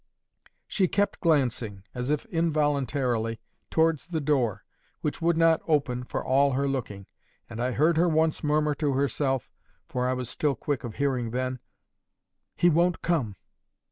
She kept glancing, as if involuntarily, towards the door, which would not open for all her looking, and I heard her once murmur to herself—for I was still quick of hearing then—'He won't come!